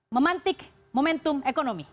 memantik momentum ekonomi